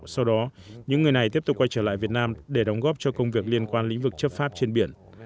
sau đó những người này tiếp tục quay trở lại việt nam để đóng góp cho công việc liên quan lĩnh vực chấp pháp trên biển